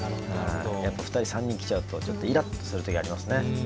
やっぱり２人、３人来ちゃうとイラッとすることありますね。